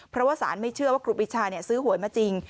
เพราะว่าสารไม่เชื่อว่าครูปีชาซื้อหวยมาจริง